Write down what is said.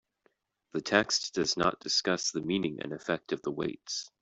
The text does not discuss the meaning and effect of the weights.